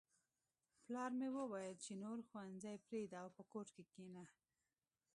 پلار مې وویل چې نور ښوونځی پریږده او په کور کښېنه